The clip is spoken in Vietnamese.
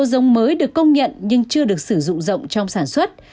giống mới được công nhận nhưng chưa được sử dụng rộng trong sản xuất